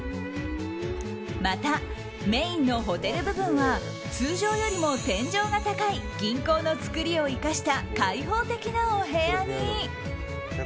またメインのホテル部分は通常よりも天井が高い銀行の造りを生かした開放的なお部屋に。